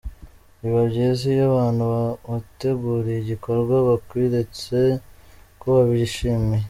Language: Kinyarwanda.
Biba byiza iyo abantu wateguriye igikorwa babikweretse ko babishimye.